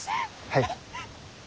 はい。